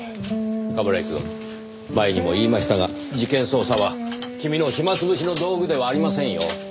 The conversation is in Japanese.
冠城くん前にも言いましたが事件捜査は君の暇潰しの道具ではありませんよ。